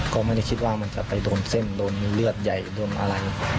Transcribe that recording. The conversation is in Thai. ก็ไม่ได้คิดว่ามันจะไปโดนเส้นโดนเลือดใหญ่โดนอะไร